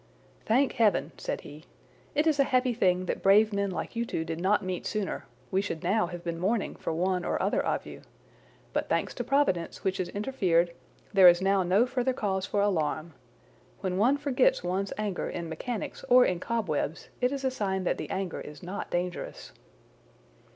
"Thank heaven!" said he. "It is a happy thing that brave men like you two did not meet sooner! we should now have been mourning for one or other of you. But, thanks to Providence, which has interfered, there is now no further cause for alarm. When one forgets one's anger in mechanics or in cobwebs, it is a sign that the anger is not dangerous."